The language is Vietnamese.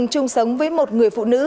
trung sống với một người phụ nữ